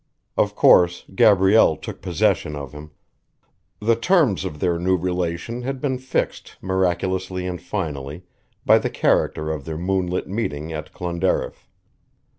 Of course Gabrielle took possession of him. The terms of their new relation had been fixed miraculously and finally by the character of their moonlit meeting at Clonderriff.